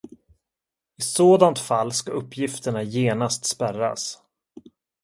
I sådant fall ska uppgifterna genast spärras.